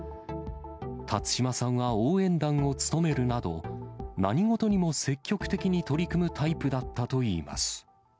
辰島さんは応援団を務めるなど、何事にも積極的に取り組むタイプだったといいます。